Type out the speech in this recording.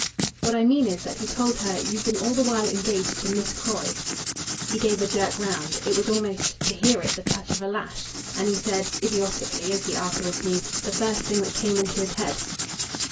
"What I mean is that he told her you've been all the while engaged to Miss Croy." He gave a jerk round; it was almost to hear it the touch of a lash; and he said idiotically, as he afterwards knew the first thing that came into his head.